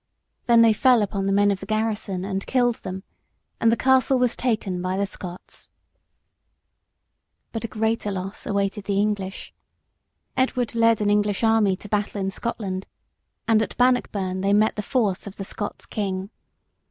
Then they fell upon the men of the garrison and killed them, and the castle was taken by the Scots. [Sidenote: A.D. 1314.] But a greater loss awaited the English. Edward led an English army to battle in Scotland; and at Bannockburn they met the force of the Scots king.